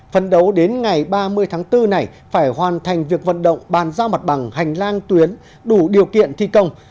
phấn đấu đến ngày ba mươi tháng bốn này phải hoàn thành việc vận động bàn giao mặt bằng hành lang tuyến đủ điều kiện thi công